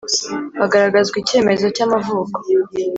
Hagaragazwa icyemezo cy ‘amavuko.